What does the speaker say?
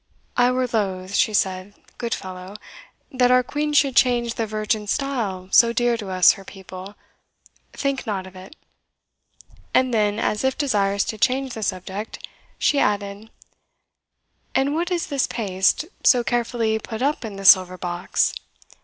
"I were loath," she said, "good fellow, that our Queen should change the virgin style so dear to us her people think not of it." And then, as if desirous to change the subject, she added, "And what is this paste, so carefully put up in the silver box?"